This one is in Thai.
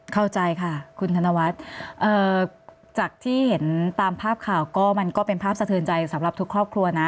เข้าใจค่ะคุณธนวัฒน์จากที่เห็นตามภาพข่าวก็มันก็เป็นภาพสะเทินใจสำหรับทุกครอบครัวนะ